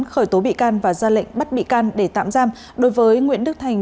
khởi tố bị can và ra lệnh bắt bị can để tạm giam đối với nguyễn đức thành